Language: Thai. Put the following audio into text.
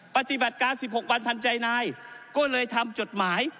ปฏิบัติการ๑๖วันทันใจนายก็เลยทำจดหมาย